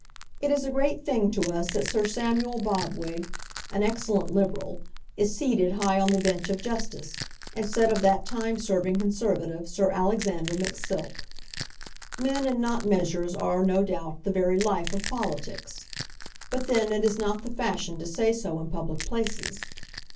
It is a great thing to us that Sir Samuel Bobwig, an excellent Liberal, is seated high on the bench of justice, instead of that time serving Conservative, Sir Alexander McSilk. Men and not measures are, no doubt, the very life of politics. But then it is not the fashion to say so in public places.